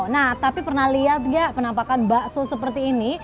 nah tapi pernah lihat nggak penampakan bakso seperti ini